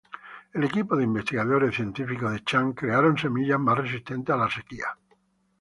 El equipo de investigadores científicos de Chan crearon semillas más resistentes a la sequía.